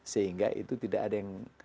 sehingga itu tidak ada yang